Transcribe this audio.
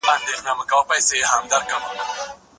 چاپیریال د حیواناتو د ژوند لپاره هم مهم دی.